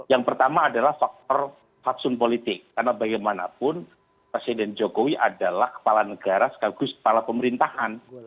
yang pertama adalah faktor fatsun politik karena bagaimanapun presiden jokowi adalah kepala negara sekaligus kepala pemerintahan